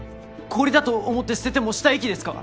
氷だと思って捨てても死体遺棄ですか？